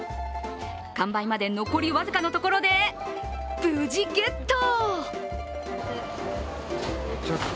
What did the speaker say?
完売まで残り僅かのところで無事ゲット。